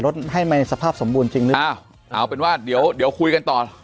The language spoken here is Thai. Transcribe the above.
รถให้ไม่สภาพสมบูรณ์จริงหรือเอาเป็นว่าเดี๋ยวเดี๋ยวคุยกัน